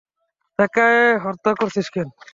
তাকে হত্যা করেছিস কেন?